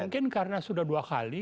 mungkin karena sudah dua kali